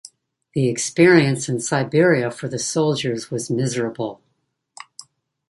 The experience in Siberia for the soldiers was miserable.